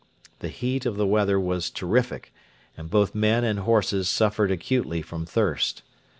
The heat of the weather was terrific, and both men and horses suffered acutely from thirst.